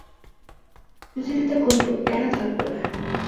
সুচরিতা কহিল, কেন থাকব না!